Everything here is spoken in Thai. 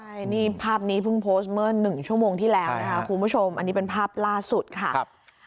ใช่ภาพนี้เพิ่งโพสต์เมื่อ๑ชั่วโมงที่แล้วนะครับ